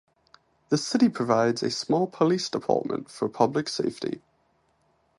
The city provides a small police department for public safety.